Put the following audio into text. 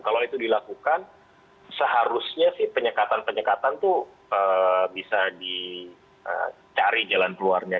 kalau itu dilakukan seharusnya sih penyekatan penyekatan itu bisa dicari jalan keluarnya